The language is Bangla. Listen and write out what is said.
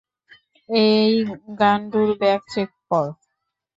এই গান্ডুর ব্যাগ চেক কর।